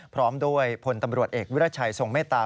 พร้อมด้วยพลตำรวจเอกวิรัชัยทรงเมตตา